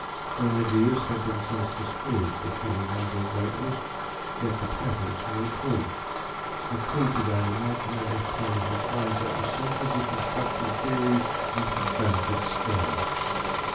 Their ideas had been since disproved, if he remembered rightly, yet the titles were a clue a clue to that imaginative part of his mind that was so busy constructing theories and had found its stride.